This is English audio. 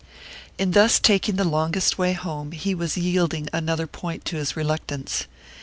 In thus taking the longest way home he was yielding another point to his reluctance.